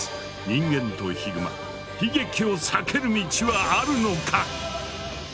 人間とヒグマ悲劇を避ける道はあるのか？